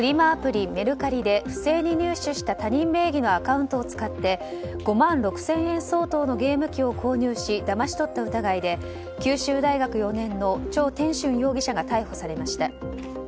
アプリ、メルカリで不正に入手した他人名義のアカウントを使って５万６０００円のゲーム機を購入しだまし取った疑いで九州大学４年のチョウ・テンシュン容疑者が逮捕されました。